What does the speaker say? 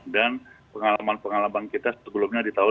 dan pengalaman pengalaman kita sebelumnya ditawarkan